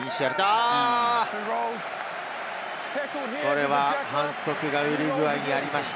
おっと、これは反則がウルグアイにありました。